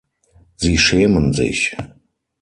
Sie schämen sich.